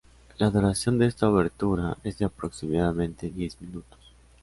La duración de esta obertura es de aproximadamente diez minutos.